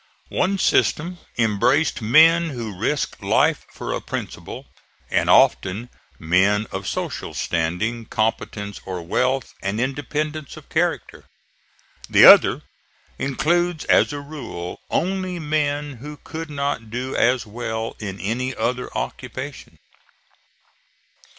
One system embraced men who risked life for a principle, and often men of social standing, competence, or wealth and independence of character. The other includes, as a rule, only men who could not do as well in any other occupation.